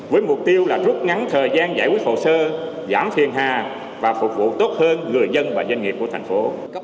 với mục tiêu là rút ngắn thời gian giải quyết hồ sơ giảm phiền hà và phục vụ tốt hơn người dân và doanh nghiệp của thành phố